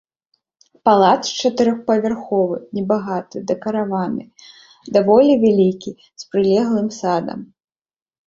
Палац чатырохпавярховы, небагата дэкараваны, даволі вялікі, з прылеглым садам.